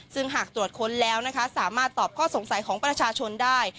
ซึ่งหากตรวจค้นแล้วนะคะสามารถตอบข้อสงสัยของประชาชนได้